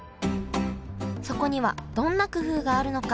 そこにはどんな工夫があるのか？